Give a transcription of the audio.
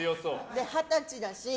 二十歳だし。